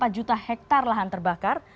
tiga empat juta hektare lahan terbakar